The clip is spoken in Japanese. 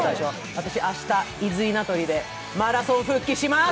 私、明日、伊豆稲取でマラソン復帰します。